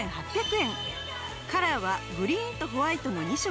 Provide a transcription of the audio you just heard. カラーはグリーンとホワイトの２色。